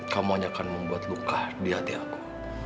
kamu hanya akan membuat luka di hati aku